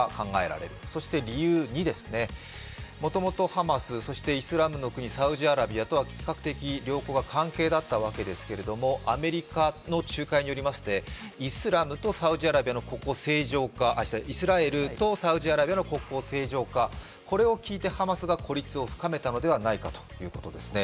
そして理由２ですね、もともとハマス、そしてイスラムの国、サウジアラビアと比較的良好な関係だったわけですけども、アメリカの仲介によりましてイスラエルとサウジアラビアの国交正常化、ハマスが孤立を深めたのではないかということです。